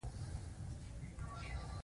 ښځې په زوټه غوټۍ وويل.